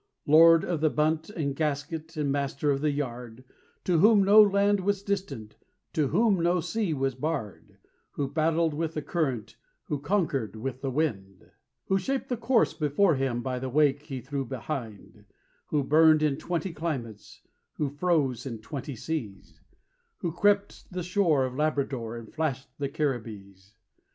Lord of the Bunt and Gasket and Master of the Yard, To whom no land was distant, to whom no sea was barred: Who battled with the current; who conquered with the wind; Who shaped the course before him by the wake he threw behind; Who burned in twenty climates; who froze in twenty seas; Who crept the shore of Labrador and flash'd the Caribbees.